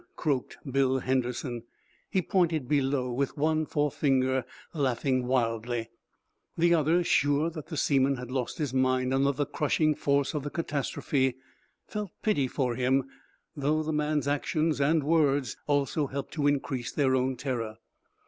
croaked Bill Henderson. He pointed below, with one forefinger, laughing wildly. The others, sure that the seaman had lost his mind under the crushing force of the catastrophe, felt pity for him, though the man's actions and words also helped to increase their own terror.